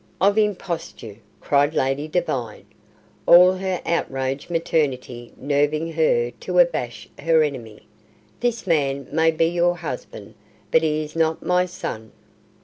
"Of imposture!" cried Lady Devine, all her outraged maternity nerving her to abash her enemy. "This man may be your husband, but he is not my son!"